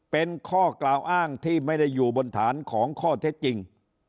เป็นข้อกล่าวอ้างที่ไม่ได้อยู่บนฐานของข้อเท็จจริง